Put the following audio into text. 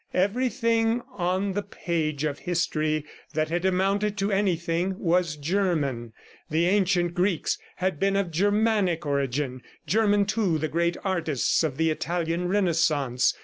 Everything on the page of history that had amounted to anything was German. The ancient Greeks had been of Germanic origin; German, too, the great artists of the Italian Renaissance.